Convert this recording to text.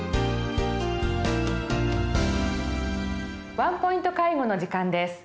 「ワンポイント介護」の時間です。